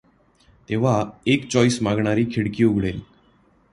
तेव्हा एक चॉइस मागणारी खिडकी उघडेल.